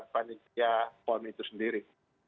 panitia polmi itu sendiri